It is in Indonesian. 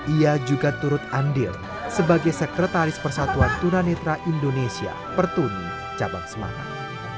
ia juga turut andil sebagai sekretaris persatuan tunanetra indonesia pertuni cabang semarang